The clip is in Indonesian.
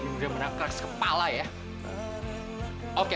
ngapain mereka ada di sana